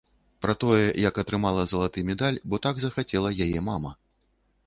Пра тое, як атрымала залаты медаль, бо так захацела яе мама.